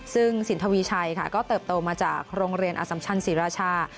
ซึ่งสินทวีชัยค่ะก็เติบโตมาจากโรงเรียนอสัมชันศรีราชา